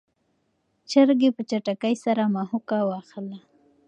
چرګې په چټکۍ سره مښوکه وهله.